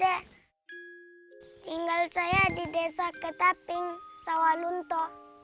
ya tinggal saya di desa ketaping sawalunto